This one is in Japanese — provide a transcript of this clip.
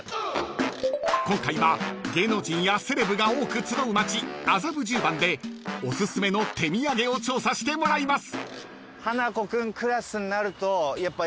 ［今回は芸能人やセレブが多く集う街麻布十番でおすすめの手土産を調査してもらいます］